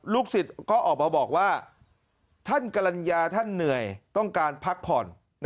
ลูกศิษย์ก็ออกมาบอกว่าท่านกรรณญาท่านเหนื่อยต้องการพักผ่อน